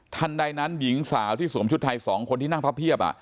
ทันใดนั้นหญิงสาวที่สวมชุดไทย๒คนที่นั่งพับเพียบ